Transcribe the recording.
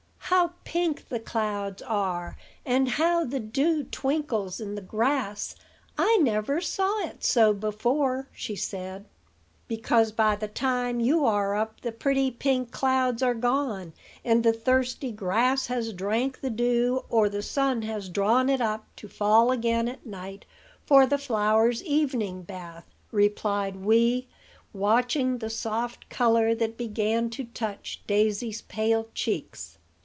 "How pink the clouds are, and how the dew twinkles in the grass! I never saw it so before," she said. "Because by the time you are up the pretty pink clouds are gone, and the thirsty grass has drank the dew, or the sun has drawn it up to fall again at night for the flowers' evening bath," replied Wee, watching the soft color that began to touch Daisy's pale cheeks.